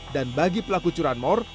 dan bagi pelaku curanmor